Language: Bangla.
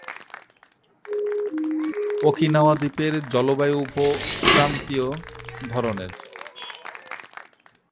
ওকিনাওয়া দ্বীপের জলবায়ু উপ-ক্রান্তীয় ধরনের।